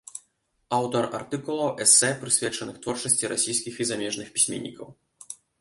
Аўтар артыкулаў, эсэ прысвечаных творчасці расійскіх і замежных пісьменнікаў.